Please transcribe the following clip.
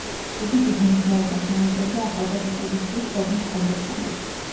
იგი დიდ მნიშვნელობას ანიჭებდა ახალგაზრდებისთვის ცოდნის გადაცემას.